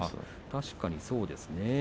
確かにそうですね。